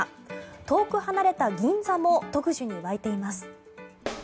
遠く離れた銀座も特需に沸いています。